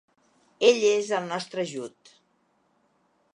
Ell és el nostre ajut.